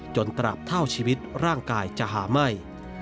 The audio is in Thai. ตราบเท่าชีวิตร่างกายจะหาไหม้